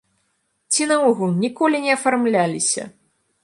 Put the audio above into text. Ці наогул ніколі не афармляліся!